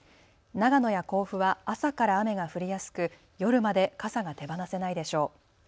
長野や甲府は朝から雨が降りやすく夜まで傘が手放せないでしょう。